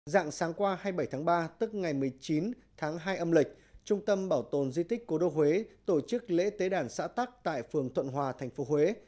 dạng sáng qua hai mươi bảy tháng ba tức ngày một mươi chín tháng hai âm lịch trung tâm bảo tồn di tích cố đô huế tổ chức lễ tế đàn xã tắc tại phường thuận hòa thành phố huế